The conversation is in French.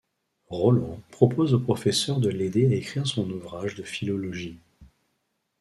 Roland propose au professeur de l'aider à écrire son ouvrage de philologie.